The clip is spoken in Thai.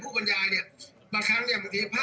พูดแบบนั้นแหละ